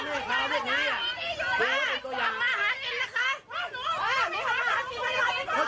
มีว่ากลายเมื่อเวลาคือดีแหละครับ